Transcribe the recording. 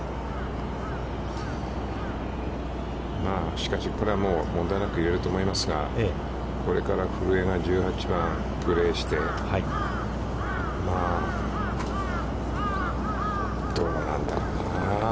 しかし、これはもう、問題なく入れると思いますが、これから、古江が１８番プレーして、まあ、どうなんだろうなぁ。